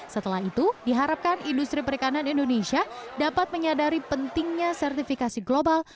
setelah itu diharapkan industri perikanan indonesia dapat menyadari pentingnya sertifikasi global